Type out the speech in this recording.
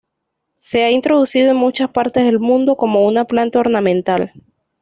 Se ha introducido en muchas partes del mundo como una planta ornamental.